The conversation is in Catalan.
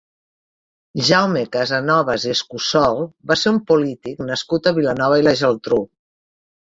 Jaume Casanovas i Escussol va ser un polític nascut a Vilanova i la Geltrú.